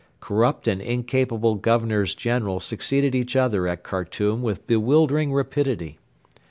Corrupt and incapable Governors General succeeded each other at Khartoum with bewildering rapidity.